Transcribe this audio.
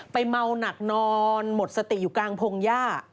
เมาหนักนอนหมดสติอยู่กลางพงหญ้า